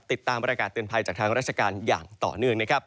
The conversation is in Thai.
ติดตามประกาศเตือนภัยจากทางราชการอย่างต่อเนื่องนะครับ